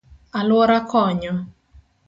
Aluora konyo;